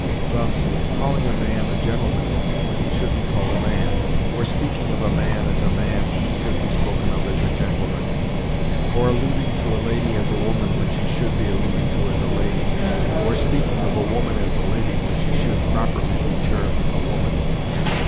Thus, calling a man a gentleman when he should be called a man, or speaking of a man as a man when he should be spoken of as a gentleman; or alluding to a lady as a woman when she should be alluded to as a lady, or speaking of a woman as a lady when she should properly be termed a woman.